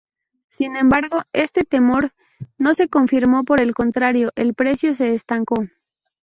Sin embargo, este temor no se confirmó, por el contrario el precio se estancó.